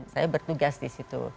saya bertugas di situ